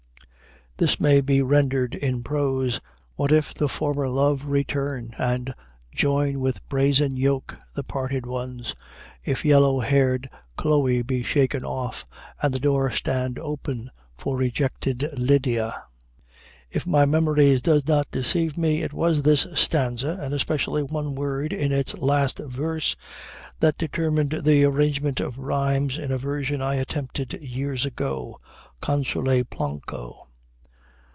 This may be rendered in prose: "What if the former Love return and join with brazen yoke the parted ones, if yellow haired Chloë be shaken off, and the door stand open for rejected Lydia?" If my memory does not deceive me, it was this stanza, and especially one word in its last verse, that determined the arrangement of rhymes in a version I attempted years ago, "Consule Planco."